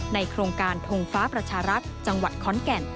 โครงการทงฟ้าประชารัฐจังหวัดขอนแก่น